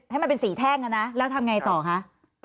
ให้มันเป็นสีแท่งนะแล้วทำไงต่อคะ